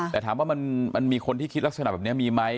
แต่ถามว่ามันมีคนที่คิดลักษณะแบบนี้มีไหม